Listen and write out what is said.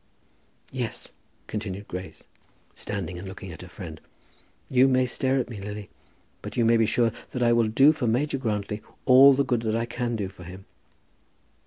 "Yes," continued Grace, standing and looking at her friend, "you may stare at me, Lily, but you may be sure that I will do for Major Grantly all the good that I can do for him."